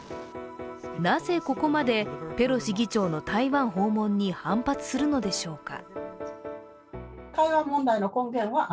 なぜ、ここまでペロシ議長の台湾訪問に反発するのでしょうか。